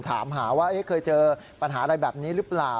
ถามหาว่าเคยเจอปัญหาอะไรแบบนี้หรือเปล่า